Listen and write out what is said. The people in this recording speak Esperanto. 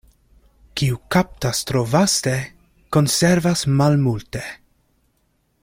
Kiu kaptas tro vaste, konservas malmulte.